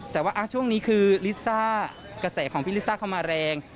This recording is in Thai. แต่ว่าช่วงนี้คือลิซ่ากระแสของพี่ลิซ่าเข้ามาแรง